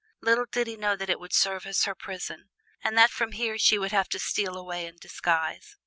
Little did he know that it would serve as her prison, and that from here she would have to steal away in disguise.